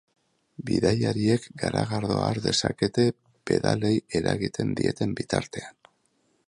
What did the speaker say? Bidaiariek garagardoa har dezakete pedalei eragiten dieten bitartean.